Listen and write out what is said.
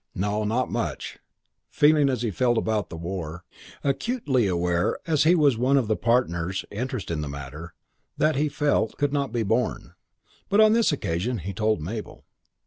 No. Not much. Feeling as he felt about the war, acutely aware as he was of the partners' interest in the matter, that, he felt, could not be borne. But on this occasion he told Mabel.